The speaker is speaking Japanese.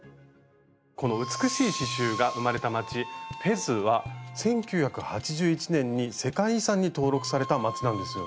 この美しい刺しゅうが生まれた街フェズは１９８１年に世界遺産に登録された街なんですよね。